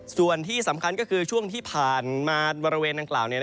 ส่วนที่สำคัญก็คือช่วงที่ผ่านมาบริเวณดังกล่าว